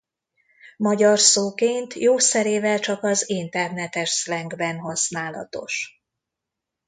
Magyar szóként jószerével csak az internetes szlengben használatos.